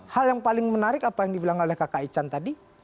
hal yang paling menarik apa yang dibilang oleh kakak ican tadi